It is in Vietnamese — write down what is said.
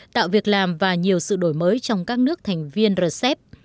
tạo việc làm và nhiều sự đổi mới trong các nước thành viên rcep